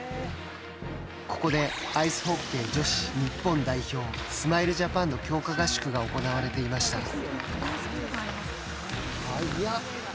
ここでアイスホッケー女子日本代表「スマイルジャパン」の強化合宿が行われていました。